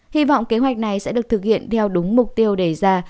hy vọng kế hoạch này sẽ được thực hiện theo đúng mục tiêu đề ra